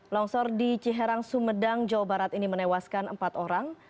longsor di ciherang sumedang jawa barat ini menewaskan empat orang